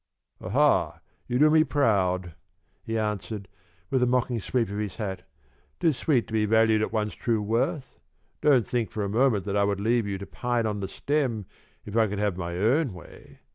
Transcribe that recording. "Ah, ha! You do me proud," he answered, with a mocking sweep of his hat. "'Tis sweet to be valued at one's true worth. Don't think for a moment that I would leave you to pine on the stem if I could have my own way.